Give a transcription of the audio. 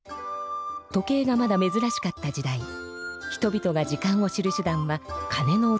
時計がまだめずらしかった時代人々が時間を知る手だんはかねの音でした。